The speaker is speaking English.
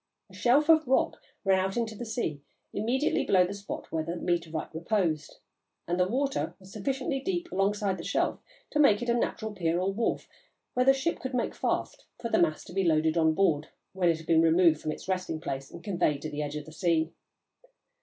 A shelf of rock ran out into the sea immediately below the spot where the meteorite reposed, and the water was sufficiently deep alongside the shelf to make it a natural pier or wharf where the ship could make fast for the mass to be loaded on board, when it had been moved from its resting place and conveyed to the edge of the sea.